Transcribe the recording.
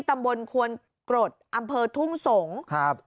ตำบลควนกรดอำเภอทุ่งสงศ์ครับ